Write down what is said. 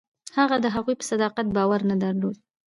هغه د هغوی په صداقت باور نه درلود.